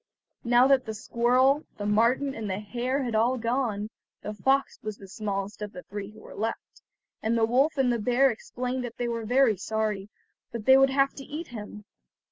Now that the squirrel, the marten, and the hare had all gone, the fox was the smallest of the three who were left, and the wolf and the bear explained that they were very sorry, but they would have to eat him.